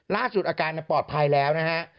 ล่าสุดอาการปลอดภัยแล้วนะฮะ